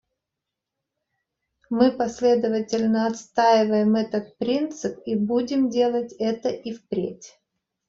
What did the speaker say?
Мы последовательно отстаиваем этот принцип и будем делать это и впредь.